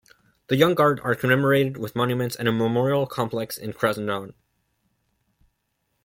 The "Young Guard" are commemorated with monuments and a memorial complex in Krasnodon.